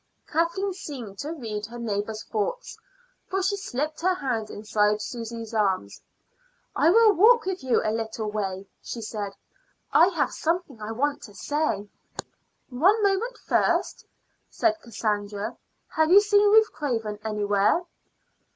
Kathleen seemed to read her neighbor's thoughts, for she slipped her hand inside Susy's arm. "I will walk with you a little way," she said; "I have something I want to say." "One moment first," said Cassandra. "Have you seen Ruth Craven anywhere?"